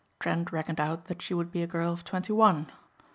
Trent reckoned out that she would be a girl of twenty one.